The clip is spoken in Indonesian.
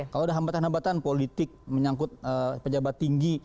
kalau ada hambatan hambatan politik menyangkut pejabat tinggi